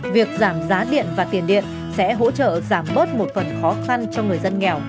việc giảm giá điện và tiền điện sẽ hỗ trợ giảm bớt một phần khó khăn cho người dân nghèo